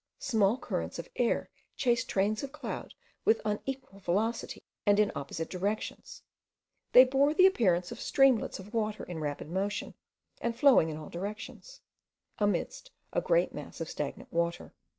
Small currents of air chased trains of cloud with unequal velocity, and in opposite directions: they bore the appearance of streamlets of water in rapid motion and flowing in all directions, amidst a great mass of stagnant water.